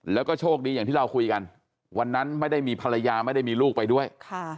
แล้วก็โชคดีอย่างที่เราคุยกันวันนั้นไม่ได้มีภรรยาไม่ได้มีลูกไปด้วย